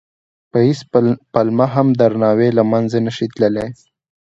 په هېڅ پلمه هم درناوی له منځه نه شي تللی.